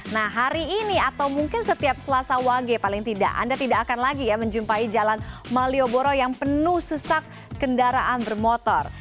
nah hari ini atau mungkin setiap selasa wage paling tidak anda tidak akan lagi ya menjumpai jalan malioboro yang penuh sesak kendaraan bermotor